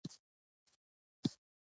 د کابل پروان کارته کې قیمتي کوچونه خرڅېږي.